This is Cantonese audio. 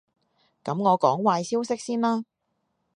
噉我講壞消息先啦